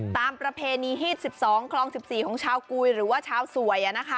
ประเพณีฮีด๑๒คลอง๑๔ของชาวกุยหรือว่าชาวสวย